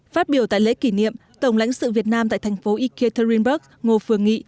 phát biểu tại lễ kỷ niệm tổng lãnh sự việt nam tại thành phố ikeinburg ngô phương nghị